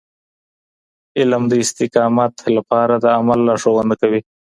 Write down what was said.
علم د استقامت لپاره د عمل لارښوونه کوي.